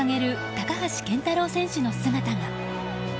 高橋健太郎選手の姿が。